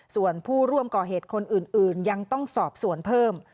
ส่วนผู้ร่วมก่อเหตุคนอื่นยังต้องสอบสวนเพิ่ม